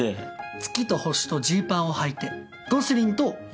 『月と星とジーパンをはいて』『ゴスリンと雪山』。